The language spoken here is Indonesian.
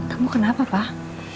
kamu kenapa pak